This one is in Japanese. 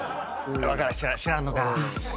知らんのかぁ。